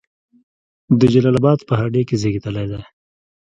د جلال آباد په هډې کې زیږیدلی دی.